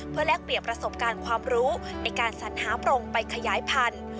เพื่อแลกเปลี่ยนประสบการณ์ความรู้ในการสัญหาโปรงไปขยายพันธุ์